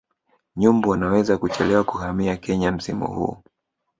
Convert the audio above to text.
Nyumbu wanaweza kuchelewa kuhamia Kenya msimu huu